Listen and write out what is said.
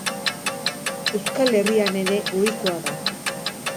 Euskal Herrian ere ohikoa da.